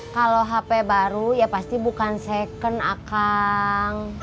kalau hp baru ya pasti bukan second akan